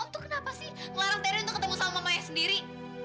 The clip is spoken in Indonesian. om tuh kenapa sih ngelarang terry untuk ketemu sama mama yang sendiri